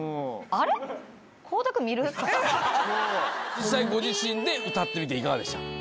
実際ご自身で歌ってみていかがでした？